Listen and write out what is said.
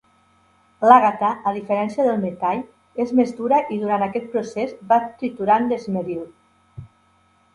L'àgata, a diferència del metall, és més dura i durant aquest procés va triturant l'esmeril.